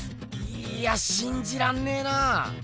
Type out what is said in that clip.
いやしんじらんねぇなぁ。